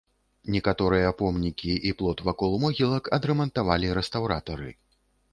Некаторыя помнікі і плот вакол могілак адрамантавалі рэстаўратары.